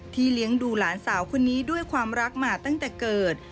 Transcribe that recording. เลี้ยงดูหลานสาวคนนี้ด้วยความรักมาตั้งแต่เกิด